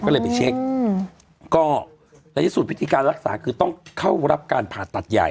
ก็เลยไปเช็คก็ในที่สุดพิธีการรักษาคือต้องเข้ารับการผ่าตัดใหญ่